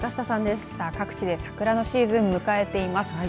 さあ、各地で桜のシーズン迎えています。